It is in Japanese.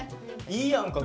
いいやんか